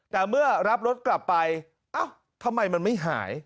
แต่เมื่อรับรถกลับไปเอ้าทำไมมันไม่หาย